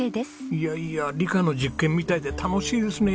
いやいや理科の実験みたいで楽しいですね。